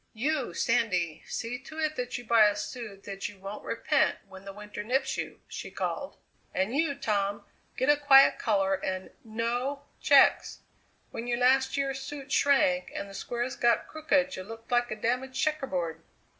"You, Sandy, see to it that you buy a suit that you won't repent when the winter nips you!" she called. "And you, Tom, get a quiet colour and no checks! When yer last year's suit shrank and the squares got crooked ye looked like a damaged checker board!"